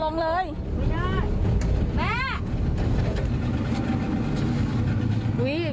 เนี่ย